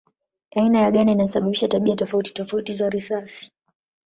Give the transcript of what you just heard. Aina ya ganda inasababisha tabia tofauti tofauti za risasi.